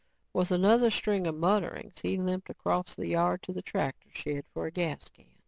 With another string of mutterings, he limped across the yard to the tractor shed for a gas can.